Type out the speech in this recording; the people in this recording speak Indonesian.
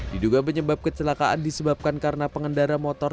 diduga penyebab kecelakaan disebabkan karena pengendara motor